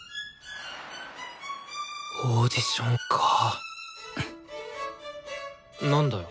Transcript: オーディションかなんだよ？